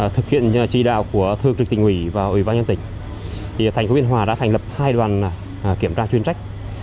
trên trị đạo của thương trực tình ủy và ủy ban nhân tỉnh thành phố biên hòa đã thành lập hai đoàn kiểm tra chuyên trách